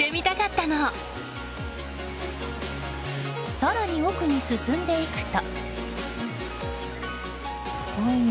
更に奥に進んでいくと。